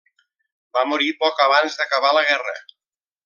Va morir poc abans d'acabar la guerra.